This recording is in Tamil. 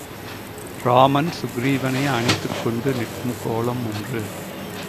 ராமன் சுக்ரீவனை அணைத்துக் கொண்டு நிற்கும் கோலம் ஒன்று.